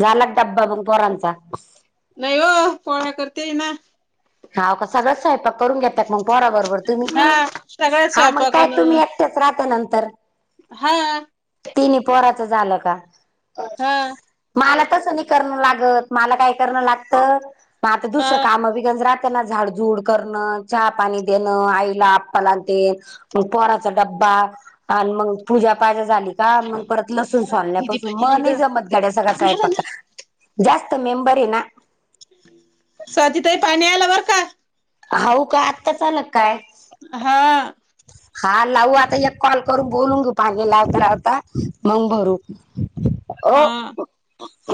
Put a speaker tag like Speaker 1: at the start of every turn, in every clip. Speaker 1: झाला क डब्बा बघून पोरांचा.
Speaker 2: नाही हो पोळा्या, करते ये ना.
Speaker 1: हाव का सगळं स्वयंपाक करून घेतात मग पोरा बरोबर तुम्ही
Speaker 2: हा सगळ्याच
Speaker 1: हा मग काय
Speaker 2: स्वयंपाकान
Speaker 1: तुम्ही च राात नंतर.
Speaker 2: हा.
Speaker 1: तिन् पोराचं झालं का?
Speaker 2: हा.
Speaker 1: मला तसं नाही करणं लागत मला काय करण लागतं म आता
Speaker 2: हा
Speaker 1: दुसरं काम बि गज राह. त्यांना झाडझूड करणं चहा पाणी देणं आईला आप्पाला देन. मग पोराचा डब्बा आणि मग पूजापाजा झाली काय मग परत लसून सोलण्यापासून मला नाही जमत गड्या सगळा स्वयंपाक. जास्त मेंबर आहे ना.
Speaker 2: स्वाती ताई पाणी आलं बर का.
Speaker 1: हऊ का. आत्ता च आलं काय?
Speaker 2: हा.
Speaker 1: हा लावू आता. एक कॉल करून बोलून घेऊ पाणी लावता लावता मग भरू. ओ
Speaker 2: हा
Speaker 1: [inaudible]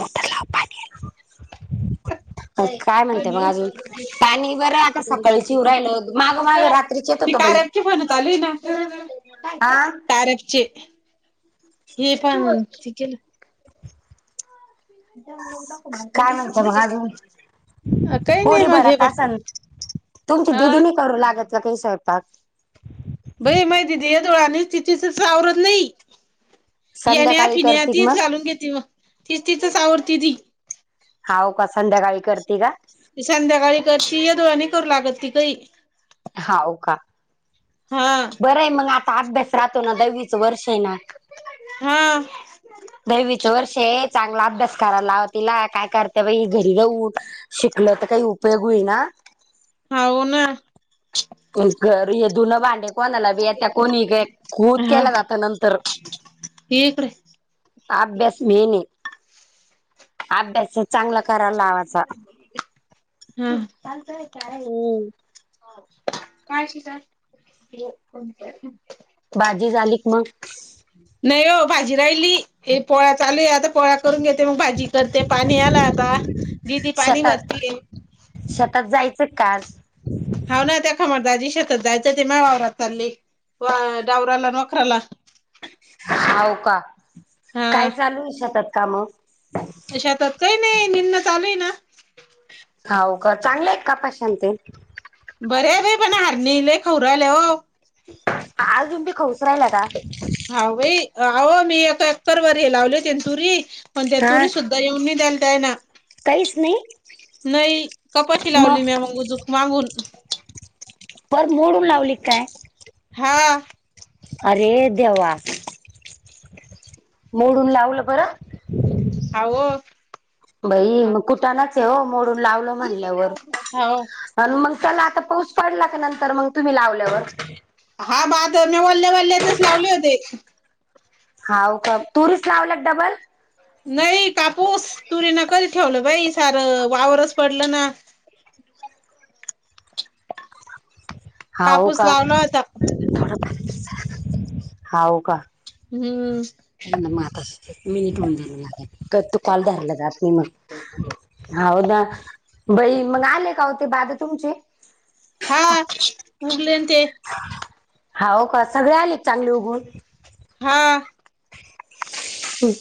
Speaker 1: काय
Speaker 2: पाणी
Speaker 1: म्हणतेयमग
Speaker 2: आलं
Speaker 1: अजून? काय नाही बरं आहेआता सकाळीच येऊ राहिलं. माग माग रात्रीचे येत होतं बाई.
Speaker 2: [inaudible] आले ना.
Speaker 1: हा
Speaker 2: तारकचे हे पण त
Speaker 1: काय म्हणते
Speaker 2: काही
Speaker 1: मग अजून
Speaker 2: नाही मग हे
Speaker 1: तुमच्या
Speaker 2: हा
Speaker 1: दिदी नाही करू लागत का काही स्वयंपाक?
Speaker 2: भई माहि दिदी यंधळा [inaudible] तिथेच आवरत नाही. येण्या
Speaker 1: संध्याकाळी
Speaker 2: फिण्या
Speaker 1: करतील
Speaker 2: तीच
Speaker 1: मग
Speaker 2: घालून घेते मग. तिचं तिचंच आवरती ती.
Speaker 1: हाऊ का? संध्याकाळी करते का?
Speaker 2: संध्याकाळी करती. येधुळा करू लागत ती काही.
Speaker 1: हाऊ का?
Speaker 2: हा
Speaker 1: बरं आहे मग आता अभ्यास राहतो ना. दहावीचं वर्ष आहे ना.
Speaker 2: हा.
Speaker 1: दहावीचं वर्ष आहे. चांगला अभ्यास करायला लावा तिला काय करत्या बाई घरी राहून. शिकलं तर काही उपयोग होईन.
Speaker 2: हाऊ ना.
Speaker 1: घर हे धुणं भांडे कोणालाही बी येतं. कोणीही [unintelligible]
Speaker 2: हा
Speaker 1: केलं जातं नंतर.
Speaker 2: ये इकडे
Speaker 1: अभ्यास मेन आहे. अभ्यास चांगला करायला लावा.
Speaker 2: हम्म.
Speaker 1: हम्म.
Speaker 2: काय श तर.
Speaker 1: भाजी झाली क मग.
Speaker 2: नाही हो भाजी राहिली. ए पोळ्या चालूय आहे आता पोळ्या करून घेते मग भाजी करते. पाणी आला आता. दिदी पाणी
Speaker 1: शेतात
Speaker 2: भरतिये.
Speaker 1: शेतात जायचं का आज?
Speaker 2: हो ना त्या खमरदााजी शेतात जायचं ते माह्या वावरात चालले. व डावराला नोखराला.
Speaker 1: हो का
Speaker 2: हा
Speaker 1: काय चालू आहे शेतात काम.
Speaker 2: शेतात काही नाही निंदण चालू आहे ना.
Speaker 1: होऊ का चांगलं आहे का कपाशा आणि ते?
Speaker 2: बरं आहे बाई पण हरणी लय खाऊ राहिल्या हो.
Speaker 1: अजून बी खाऊच राहिल्या का?
Speaker 2: हा भाई अहो मी एक एकरभर हे लावले होत्या ना तुरी. पण त्या
Speaker 1: हा
Speaker 2: तुरी सुद्धा येऊ नाही द्यायल त्यायनं
Speaker 1: काहीच नाही
Speaker 2: नाही मग कपाशी
Speaker 1: मग
Speaker 2: लावली मी उजुक. मागून.
Speaker 1: बर मोडून लावली काय?
Speaker 2: हा.
Speaker 1: अरे देवा. मोडून लावलं बर,
Speaker 2: हाव
Speaker 1: बाई मग कुठ [unintelligible] लाच ये हो, मोडून लावलं म्हणल्यावर
Speaker 2: हाव
Speaker 1: आणि मग त्याला, आता पाऊस पडला का नंतर मग तुम्ही लावल्यावर
Speaker 2: हा [unintelligible] मी वल्ल्या-वल्ल्यातच लावले होते.
Speaker 1: हाव का? तुरीच लावलं डबल
Speaker 2: नाही कापूस, तुरी न कधी ठेवलं बाई, सारं वावरच पडलं ना
Speaker 1: हाव
Speaker 2: कापूस
Speaker 1: का?
Speaker 2: लावला होता
Speaker 1: [unintelligible] हाव का?
Speaker 2: हम्म
Speaker 1: [unintelligible] [inaudible] कॉल धरला जात नाही म्हण हाव ना, बाई, मग आले का हो ते बाध तुमचे?
Speaker 2: हा, उरलेन ते
Speaker 1: हाव का? सगळे आलेत चांगले उघवून
Speaker 2: हा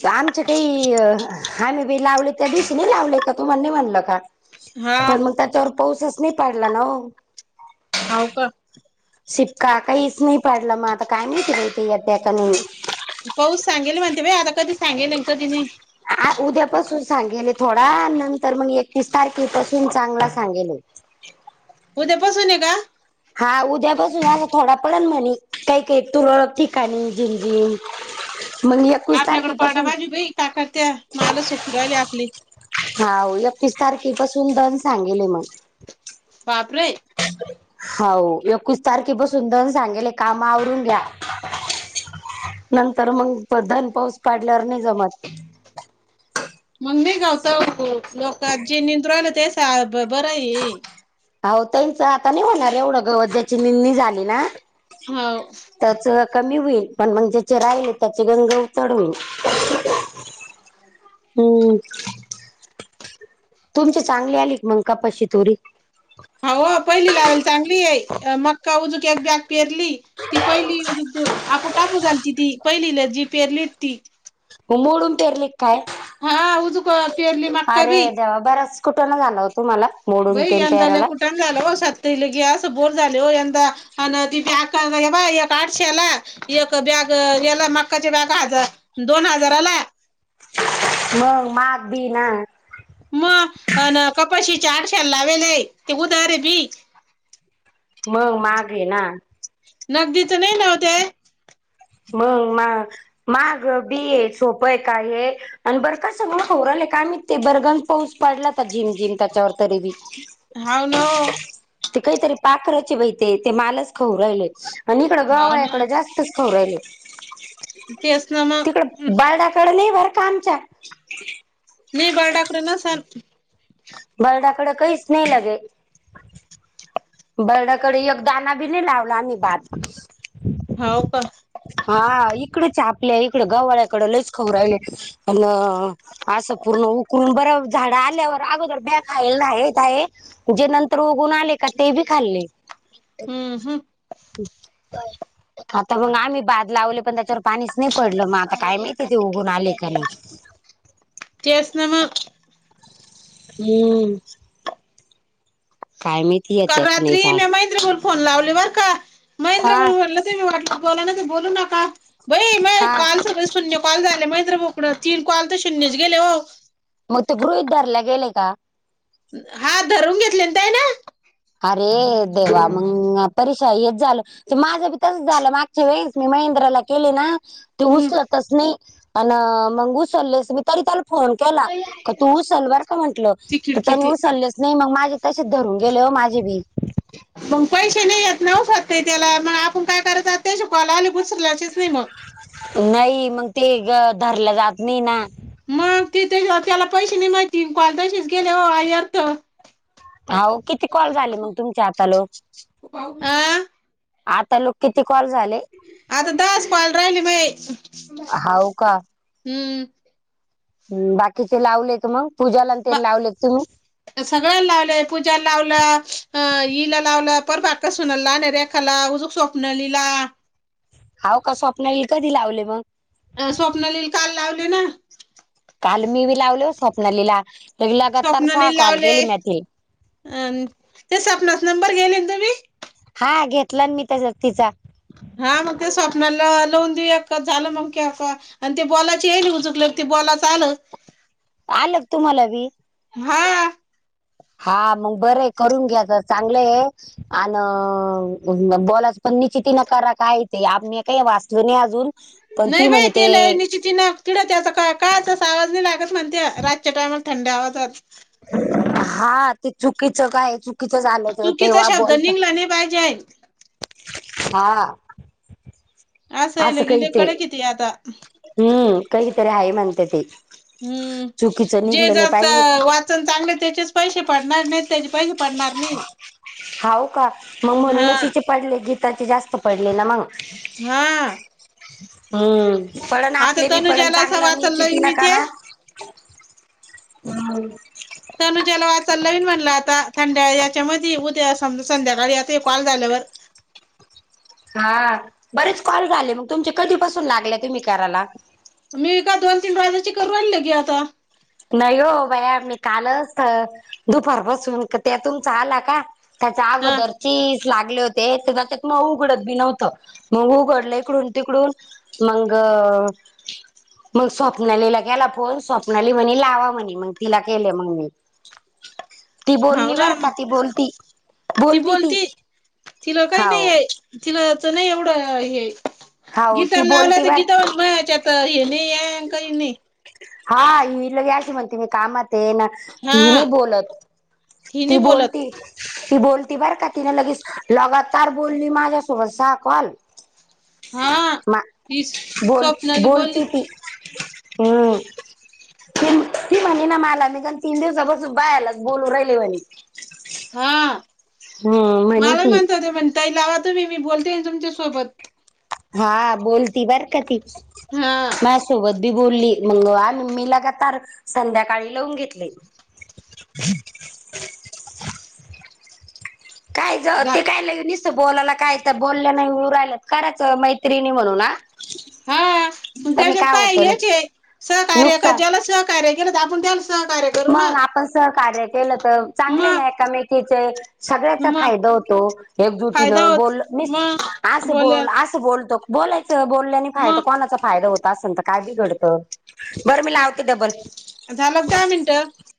Speaker 1: आमच काही, आम्ही बी लावले, त्या दिवशी नाही लावले का, तुम्हा नाही म्हणलं का?
Speaker 2: हा
Speaker 1: पण मग त्याच्यावर पाऊसच नाही पाडला ना ओ
Speaker 2: हाव का?
Speaker 1: शिपका काहीच नाही पाडला, मग आता काय माहिती ते येतेय का नाही?
Speaker 2: पाऊस सांगेल म्हणते बाई आता कधी सांगेल तर [unintelligible]
Speaker 1: आ उद्यापासून सांगेले थोडा, नंतर मग एकवीस तारखेपासून चांगला सांगेले.
Speaker 2: उद्यापासून ए का?
Speaker 1: हा, उद्या पासून असं थोडा पडल म्हणे, काही काही तुरळक ठिकाणी झिंग-जिंग म्हण [unintelligible]
Speaker 2: आपल्याकड पडायला पाहिजे बाई का, करत्या माल सपूर राहिले आपले
Speaker 1: हा एकतीस तारखेपासून दन सांगेले मग
Speaker 2: बापरे
Speaker 1: हाव, एकवीस तारखे बसून दन सांगेले, काम आवरून घ्या.
Speaker 2: [unintelligible] [inaudible]
Speaker 1: नंतर मग धन पाऊस पाडल्यावर नाही जमत
Speaker 2: मग नाही [unintelligible] बरं आहे हे.
Speaker 1: हो, तच आता नाही होणार एवढं गवत, ज्याची निंदणी झाली ना?
Speaker 2: हो.
Speaker 1: त्याच कमी होईल, पण मग ज्याचे राहिले त्याचे गंग उ चड हम्म तुमची चांगली आली क मंग कपाशी तोरी?
Speaker 2: हाव पहिली लावलेली चांगली आहे, [unintelligible] पेरली. ती पहिली आपू टाकू झालती ती, पहिली जी पेरली ती.
Speaker 1: मोडून पेरले क काय?
Speaker 2: हा उजूक पेरली मक्का
Speaker 1: अरे
Speaker 2: बी
Speaker 1: देवा बरंच कुठना झाला हो तुम्हाला? मोडून
Speaker 2: बई
Speaker 1: तेन
Speaker 2: यंदा लय
Speaker 1: पेरायला
Speaker 2: कुटाना झालं व सात [unintelligible] असं बोर, झाले हो यंदा [unintelligible] एक आठशेला एक बॅग गला मक्काचे बॅग हजार दोन हजाराला
Speaker 1: मग माप बी ना
Speaker 2: मग कपाशी चारशेर लावेलय ते उद रे भी
Speaker 1: मग मागे ना
Speaker 2: [unintelligible] नाही नव्हते
Speaker 1: मंग ना माग बी आहे सोपंय का हे. आणि बरं का सगळं होरलंय काय म ते बरगण पाऊस पडला तर झिम जिम त्याच्यावर. तरी बी.
Speaker 2: हाव ना ओ
Speaker 1: ते काहीतरी पाखराचे बहि ते ते मालच खाऊ राहिले आणि इकड
Speaker 2: हाव ना
Speaker 1: गववाळ्याकडे जास्तच. खाऊन राहिले
Speaker 2: तेच ना
Speaker 1: तिकड
Speaker 2: मग
Speaker 1: बर्डडकडे नाही बर का आमच्या.
Speaker 2: नाही बरडाकडे नसाल.
Speaker 1: बर्डाकड काहीच नाही लगे. बर्ड्याकडे एकदाना बी नाही लावला भातस.
Speaker 2: हो का.
Speaker 1: हा इकडच आपल्या इकड गववाळ्याकडें लईच खव राहिले आन. असं पूर्ण उकलून बरं झाड आल्यावर अगोदर ब्या खायला आहे काय. जे नंतर उघून आले का. ते बी खाल्ले.
Speaker 2: हम्म हम्म
Speaker 1: आता मग आम्ही बाद लावले पण त्याच्यावर पाणीच नाही पडलं मग आता काय माहिती ते उघून आले का नाही.
Speaker 2: तेच ना मग.
Speaker 1: हम्म. काय मीती.
Speaker 2: काल रात्री मे महहेंद्र ब ''--'' फोन लावलीवर का महेंद्र
Speaker 1: हा
Speaker 2: म्हटलं ते मी वाटलं बोला ना ते बोलू नका. बई माय
Speaker 1: हा
Speaker 2: काल सगळे शून्य कॉल झाले मैत्र बोकड तीन कॉल तर शून्यच गेले हो.
Speaker 1: मग ते गृहीत धरले गेले का.
Speaker 2: हा धरून घेतलेनंतय ना.
Speaker 1: अरे देवा मंग आप ''--'' पररीशा हेच झालं तर माझं बी तसं झालं मागच्या वेळेस मी महेंद्राला केले ना. ते
Speaker 2: हम्म
Speaker 1: उचलतच नाही पण मग उचललेस मी तरी. फोन केला का तू उचल बर का म्हंटलं
Speaker 2: ती
Speaker 1: तर
Speaker 2: खिडकी
Speaker 1: त्यानी
Speaker 2: ती
Speaker 1: उचलले ''--'' नाही मग माझे तसेच धरून गेले हो माझे बी.
Speaker 2: मग पैसे नाही य नवसात त्याला मग आपण काय करत आ ते श कॉला आले घुसरल असच नाही मग.
Speaker 1: नाही मग ते ग धरलं जात नाही ना.
Speaker 2: मग तिथं त्याला पैसे नाही माहिती कॉल तसेच गेले हो यारत.
Speaker 1: हव किती कॉल झाले मग तुमच्या आता लो. आता लोक किती कॉल झाले.
Speaker 2: आता दास कॉल राहिली बाई
Speaker 1: हाव
Speaker 2: हम्म.
Speaker 1: ह बाकीचे लावलेत मग पूजाला ते लावलेत तुम्ही.
Speaker 2: सगळ्यां लावलंय पूजा लावलं अ इईला लावलं परव अक सून लाणारे. ला उजक स्वप्नलली.
Speaker 1: हाव का स्वप्नाली ला कधी लावले मग.
Speaker 2: अ स्वप्नलील काल लावले ना.
Speaker 1: काल मी बी लावलो स्वप्नली ला लगग तार सहा
Speaker 2: स्वप्नाली
Speaker 1: कॉल
Speaker 2: लावले
Speaker 1: गेली मतील.
Speaker 2: अ ते स्पनाचा नंबर गेले तुम्ही.
Speaker 1: हा घेतला मी त्याचा.
Speaker 2: हा मग ते स्वप्नाला लावून देऊया का झालं मग की आता. आणि ते बॉलाची येल उजुकलं ते बॉलाच आलं.
Speaker 1: आलग तुम्हाला बी.
Speaker 2: हा.
Speaker 1: हा मग बरं करून घ्या तर चांगले आहे अ बॉलाच पण निश्चिती न करा का य ते आ्ही काही वाचल नाही अजून पण ती
Speaker 2: नाही बाई
Speaker 1: म्हणे ते
Speaker 2: तेलाच तिनं कीड त्याचा का काय तसं आवाज नाही लागत म्हणते रातच्या टायमाला थंड आवाजात
Speaker 1: हा ते चुकीचं काय चुकीचंच झालं तर तेव्हा बोलत
Speaker 2: पाहिजय
Speaker 1: हा
Speaker 2: असं ते आता लई कडक आहे ते आता
Speaker 1: हम्म काही तरी आहे म्हणत्या ते चुकीचं
Speaker 2: हम्म जे
Speaker 1: निघलं
Speaker 2: ज
Speaker 1: नाही पाहिजे
Speaker 2: वा चांगले त्याचेच पैसे पडणार नाही त्याचे पैसे पडणार नाही
Speaker 1: हाव का मग
Speaker 2: हा
Speaker 1: म्हणूनच हिचे पडले गीताचे जास्त पडले ना मग
Speaker 2: हा
Speaker 1: हम्म पळण
Speaker 2: आता
Speaker 1: आपले बी पळण
Speaker 2: तनुजाला असं
Speaker 1: चांगलं नि
Speaker 2: वाचन
Speaker 1: किती
Speaker 2: लाईन
Speaker 1: न
Speaker 2: मी ते
Speaker 1: करा हम
Speaker 2: तनुज्याला वाचाल लावीन म्हणलं आता थंड्या याच्यामध्ये उद्या संध्याकाळी आता कॉल झाल्यावर
Speaker 1: हा बरेच कॉल झाले मग तुमचे कधीपासून लागले तुम्ही करायला
Speaker 2: मी एका दोन तीन वाजाची करून आणलं के आता
Speaker 1: नाही हो बाया मी कालच दुपार बसून त्यातुमचचा आला का त्याचा
Speaker 2: हा
Speaker 1: अगोदर चीज लागले होते ते त्यात मग उघडत बी नव्हतं मग उघडलं इकडून तिकडून मग मग स्वप्नाला गला फ स्वप् म्हणे लावा म्हणे मग तिला केले मग म ती
Speaker 2: हाव
Speaker 1: बोलली
Speaker 2: ना
Speaker 1: बरं का
Speaker 2: मग
Speaker 1: ती बोलती बोलती ती हा ओ
Speaker 2: तिला तर नाही एवढं हे
Speaker 1: हाव
Speaker 2: गीता
Speaker 1: ती
Speaker 2: लावलं
Speaker 1: बोलती
Speaker 2: तर
Speaker 1: बर
Speaker 2: गीतावर भयाच्यात तर येणे या अ काय नाही
Speaker 1: हा इल याची म्हणती मी कामात ये ना ती
Speaker 2: हा
Speaker 1: नाही बोलत ती
Speaker 2: नाही बोलत
Speaker 1: बोलती ती बोलती बर का तिन लगेच लगातार बोलली माझ्यासोबसा कॉल
Speaker 2: हा
Speaker 1: म
Speaker 2: ती
Speaker 1: बोल
Speaker 2: स्वप्नाली बोलली
Speaker 1: बोलती ती हम् ती ती म्हणे ना मला मी कारण तीन दिवसापासून बा आला बोलू राहिले म्ह
Speaker 2: हा
Speaker 1: हम्म म्हणे
Speaker 2: मलाही
Speaker 1: ती
Speaker 2: म्हणत ते म्हण तई लावा तो मी मी बोलते तुमच्या सोबत
Speaker 1: हा बोलती बरक ती
Speaker 2: हा
Speaker 1: मा सोबत बी बोलली मंग ममी लग तार संध्याकाळी लावून घेतले काय
Speaker 2: झा-
Speaker 1: ते काय लगे बोलायला काय तर बोलल्या नाही उऊर राहिल्या करायच मैत्रिणी म्हणून ह
Speaker 2: हा प त्याच्यात काय हच आहे सहकार्य क
Speaker 1: नुकसान
Speaker 2: जला सहकार्य ग आपण त्या स
Speaker 1: मग आपण सहकार्य केलं तर चांगले
Speaker 2: मग
Speaker 1: नाहीयका मेकीेचे सगळ्याचा
Speaker 2: मग
Speaker 1: फायदा होतो
Speaker 2: फायदा
Speaker 1: एकजुटीनं
Speaker 2: होत
Speaker 1: बोल मी
Speaker 2: मग
Speaker 1: असं
Speaker 2: बोलेल
Speaker 1: बोल असं बोलतो बोलायचं बोलल्याने फायदा
Speaker 2: मग
Speaker 1: कोणाचा फायदा होता असेल तर काय बि घडत बरं मी लावते डबल
Speaker 2: झालं दहा मिनटं